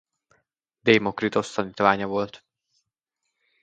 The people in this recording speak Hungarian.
Démokritosz tanítványa volt.